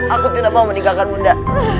aku tidak mau meninggalkan bunda